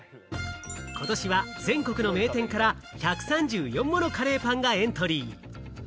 ことしは全国の名店から１３４ものカレーパンがエントリー。